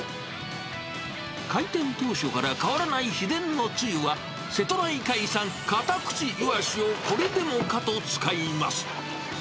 開店当初から変わらない秘伝のつゆは、瀬戸内海産カタクチイワシをこれでもかと使います。